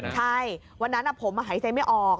ใช่วันนั้นผมหายใจไม่ออก